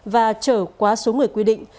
và trở quá số người quy định